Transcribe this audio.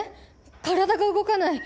体が動かない！